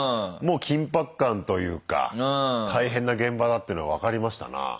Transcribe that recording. もう緊迫感というか大変な現場だっていうのは分かりましたな。